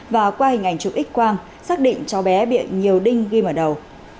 và qua hình ảnh chụp x quang xác định cháu bé bị nhiều đinh ghi mở đầu